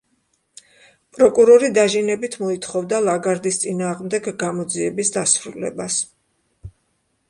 პროკურორი დაჟინებით მოითხოვდა ლაგარდის წინააღმდეგ გამოძიების დასრულებას.